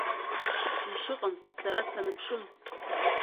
Мшы ыҟам сара саныԥшым.